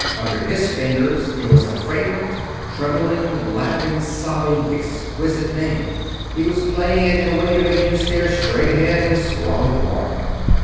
Under his fingers it was a fragrant, trembling, laughing, sobbing, exquisite thing. He was playing it in a way to make you stare straight ahead and swallow hard.